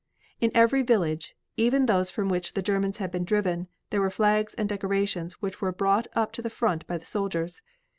In every village, even those from which the Germans had been driven, there were flags and decorations which were brought up to the front by the soldiers.